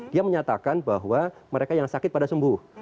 dia menyatakan bahwa mereka yang sakit pada sembuh